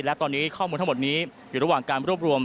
และตอนนี้ข้อมูลทั้งหมดนี้อยู่ระหว่างการรวบรวม